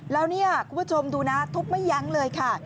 แล้วเนี่ยคุณผู้ชมดูนะทุบไม่ยั้งเลยค่ะ